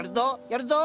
やるぞ！